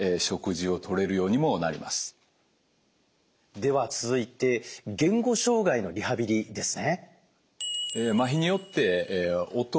では続いて言語障害のリハビリですね。